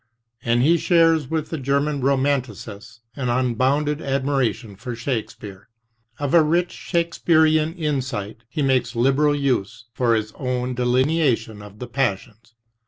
And he shares with the German romanticists an unbounded admiration for Shakespeare. Of the rich Shakespearian insight he makes liberal use for his own delineation of the passions.